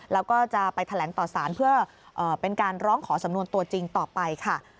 แล้วก็จะไปแถลงต่อสารเพื่อเป็นการร้องขอสำนวนตัวจริงต่อไปค่ะ